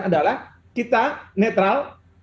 adalah kita netral